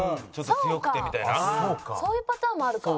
そういうパターンもあるか。